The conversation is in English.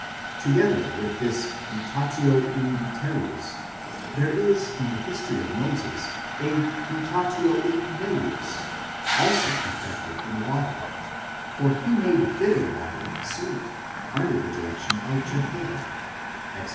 Together with this mutatio in deterius, there is in the history of Moses a muzatio in melius, also effected in water, for he made bitter water sweet, under the direction of Jehovah (Exod.